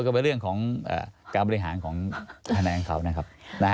ก็เป็นเรื่องของการบริหารของคะแนนของเขานะครับ